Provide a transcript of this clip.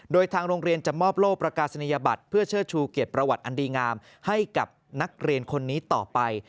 โดยทางโรงเรียนจะมอบโลกประกาศนียบัตรเพื่อเชิดชูเกียรติประวัติอันดีงามให้กับนักเรียนคนนี้ต่อไป